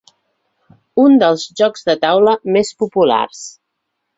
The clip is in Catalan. Un dels jocs de taula més populars.